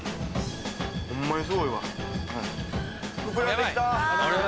・ホンマにすごいわ。